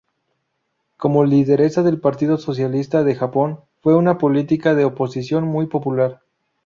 Como lideresa del Partido Socialista de Japón, fue una política de oposición muy popular.